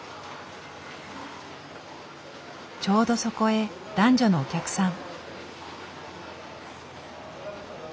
ちょうどそこへ男女のお客さん。